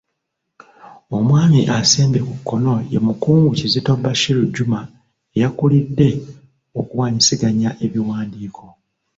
Omwami asembye ku kkono ye Mukungu Kizito Bashir Juma eyakulidde okuwaanyisiganya ebiwandiiko.